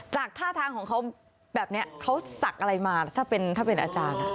จากท่าทางของเขาแบบนี้เขาศักดิ์อะไรมาถ้าเป็นอาจารย์